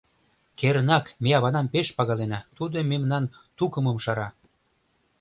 Кернак, ме аванам пеш пагалена: тудо мемнан тукымым шара.